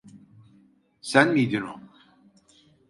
Sen miydin o?